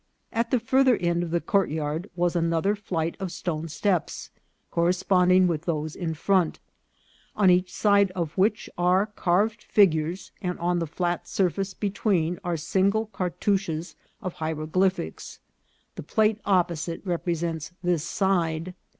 At the farther side of the courtyard was another flight of stone steps, corresponding with those in front, on each Side of which are carved figures, and on the flat surface between are single cartouches of hiero glyphics. The plate opposite represents this side.